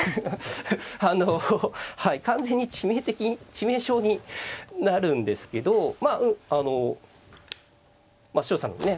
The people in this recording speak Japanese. あの完全に致命的致命傷になるんですけどまああの小差なんでね